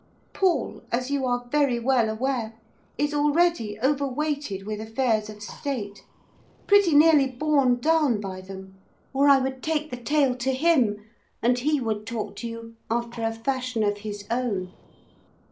Paul, as you are very well aware, is already overweighted with affairs of state, pretty nearly borne down by them, or I would take the tale to him, and he would talk to you after a fashion of his own.